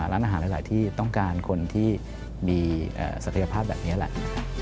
ร้านอาหารหลายที่ต้องการคนที่มีศักยภาพแบบนี้แหละ